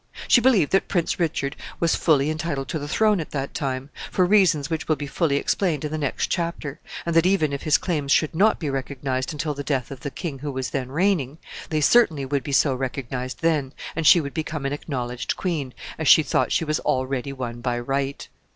She believed that Prince Richard was fully entitled to the throne at that time, for reasons which will be fully explained in the next chapter, and that, even if his claims should not be recognized until the death of the king who was then reigning, they certainly would be so recognized then, and she would become an acknowledged queen, as she thought she was already one by right.